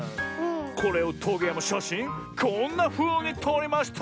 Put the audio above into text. これをトゲやまシャシンこんなふうにとりました！